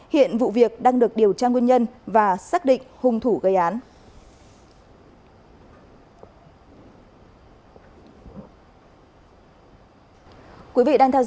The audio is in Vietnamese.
hiện vụ việc đang được điều tra nguyên nhân và xác định hung thủ gây án